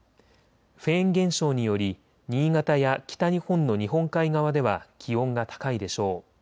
フェーン現象により新潟や北日本の日本海側では気温が高いでしょう。